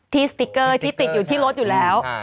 สติ๊กเกอร์ที่ติดอยู่ที่รถอยู่แล้ว